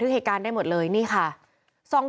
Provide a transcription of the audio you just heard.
พุ่งเข้ามาแล้วกับแม่แค่สองคน